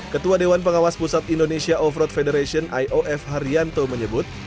ketua dewan pengawas pusat indonesia offroad federation i o f haryanto menyebut